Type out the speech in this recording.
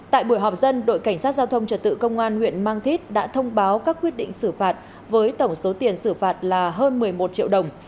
tại buổi họp dân đội cảnh sát giao thông trật tự công an huyện mang thít đã thông báo các quyết định xử phạt với tổng số tiền xử phạt là hơn một mươi một triệu đồng